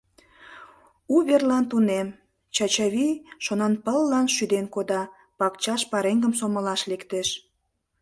У верлан тунем, — Чачавий Шонанпыллан шӱден кода, пакчаш пареҥгым сомылаш лектеш.